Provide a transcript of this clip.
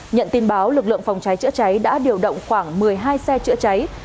nhận tin báo lực lượng phòng cháy chữa cháy đã điều động khoảng một mươi hai xe chữa cháy